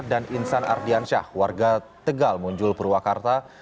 dan insan ardiansyah warga tegal muncul purwakarta